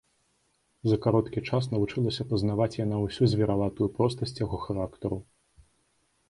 За кароткі час навучылася пазнаваць яна ўсю звераватую простасць яго характару.